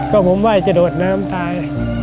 ก็ผมไหว้จะโดดน้ำตาย